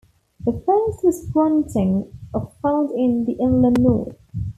The first was fronting of found in the Inland North.